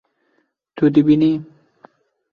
Tu dibînî